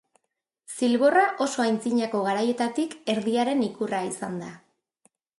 Zilborra oso antzinako garaietatik erdiaren ikurra izan da.